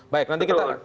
baik nanti kita